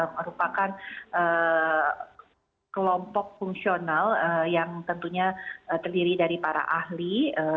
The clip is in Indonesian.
merupakan kelompok fungsional yang tentunya terdiri dari para ahli